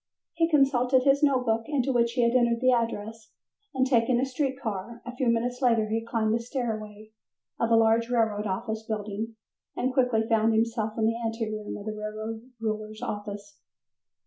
He consulted his notebook into which he had entered the address, and taking a street car, a few minutes later he climbed the stairway of a large railroad office building and quickly found himself in the ante room of the railroad ruler's office.